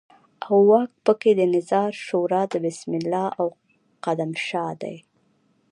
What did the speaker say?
او واک په کې د نظار شورا د بسم الله او قدم شاه دی.